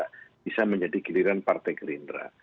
bisa menjadi giliran partai gerindra